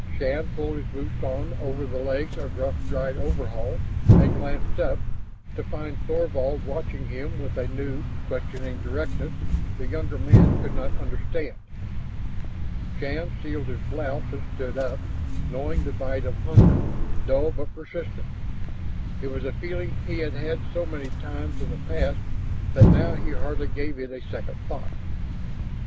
Shann pulled his boots on over the legs of rough dried coveralls and glanced up, to find Thorvald watching him with a new, questioning directness the younger man could not understand. Shann sealed his blouse and stood up, knowing the bite of hunger, dull but persistent. It was a feeling he had had so many times in the past that now he hardly gave it a second thought.